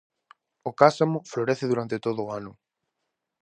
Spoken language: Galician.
O cásamo florece durante todo o ano.